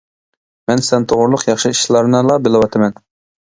مەن سەن توغرىلىق ياخشى ئىشلارنىلا بىلىۋاتىمەن.